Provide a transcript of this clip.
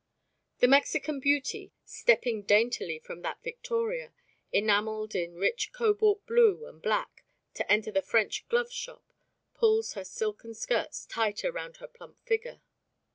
The Mexican beauty, stepping daintily from that victoria, enamelled in rich cobalt blue and black, to enter the French glove shop, pulls her silken skirts tighter round her plump figure.